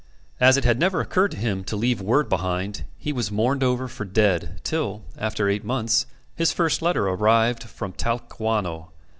As it had never occurred to him to leave word behind, he was mourned over for dead till, after eight months, his first letter arrived from Talcahuano.